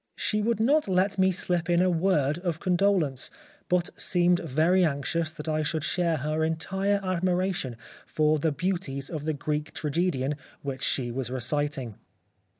She would not let me slip 31 The Life of Oscar Wilde in a word of condolence, but seemed very anxious that I should share her entire admiration for the beauties of the Greek tragedian which she was reciting."